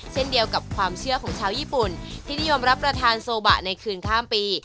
เช่นเดียวกับความเชื่อของชาวญี่ปุ่นที่นิยมรับประทานโซบะในคืนข้ามปี